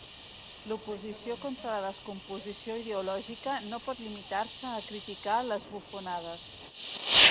L'oposició contra la descomposició ideològica no pot limitar-se a criticar les bufonades.